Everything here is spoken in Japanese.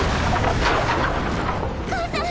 お母さん！